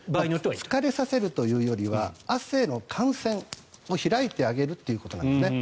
疲れさせるというよりは汗の汗腺を開いてあげるということです。